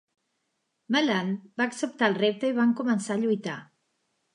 Melant va acceptar el repte i van començar a lluitar.